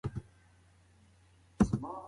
دا یو تاریخي ویاړ دی.